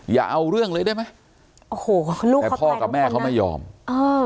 อย่าเอาเรื่องเลยได้ไหมโอ้โหลูกแต่พ่อกับแม่เขาไม่ยอมเออ